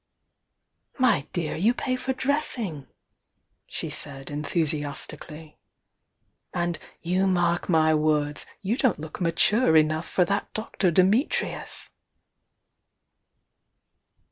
"My dear, you pay for dressing!" she said, en thusiastically. "And — you mark my words! — you don't look 'mature' enough for that Dr. Dimitrius!"